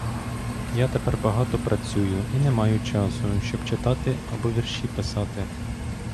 Я тепер багато працюю і не маю часу, щоб читати або вірші писати.